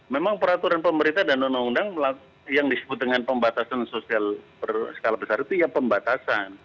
memang peraturan pemerintah dan undang undang yang disebut dengan pembatasan sosial berskala besar itu ya pembatasan